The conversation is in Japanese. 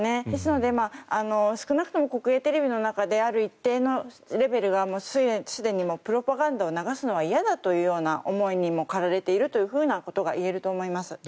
ですので少なくとも国営テレビの中である一定のレベルはすでにプロパガンダを流すのは嫌だというような思いに駆られているということがいえると思います。